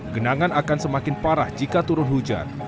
genangan akan semakin parah jika turun hujan